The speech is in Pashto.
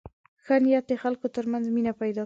ښه نیت د خلکو تر منځ مینه پیدا کوي.